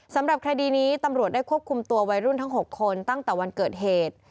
สำหรับคดีนี้ตำรวจได้ควบคุมตัววัยรุ่นทั้ง๖คนตั้งแต่วันเกิดเหตุ